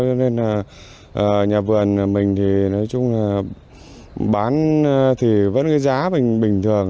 cho nên là nhà vườn mình thì nói chung là bán thì vẫn cái giá mình bình thường